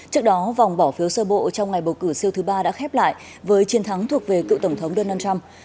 trước đó vòng bỏ phiếu sơ bộ trong ngày bầu cử siêu thứ ba đã khép lại với chiến thắng thuộc về cựu tổng thống donald trump